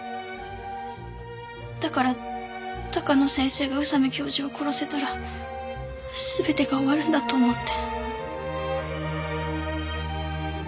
だから高野先生が宇佐美教授を殺せたら全てが終わるんだと思って。